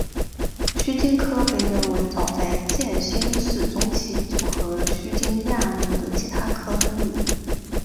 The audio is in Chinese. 须鲸科被认为早在渐新世中期就和须鲸亚目的其他科分离。